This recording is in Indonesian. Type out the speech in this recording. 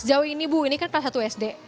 sejauh ini bu ini kan kelas satu sd